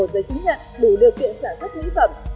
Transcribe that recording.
đủ điều kiện sản xuất nữ phẩm